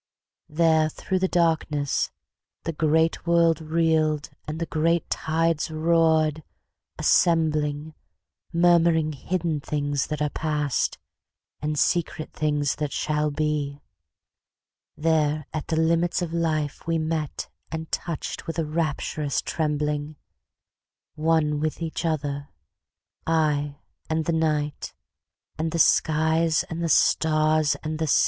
There through the darkness the great world reeled, and the great tides roared, assembling—Murmuring hidden things that are past, and secret things that shall be; There at the limits of life we met, and touched with a rapturous trembling—One with each other, I and the Night, and the skies, and the stars, and sea.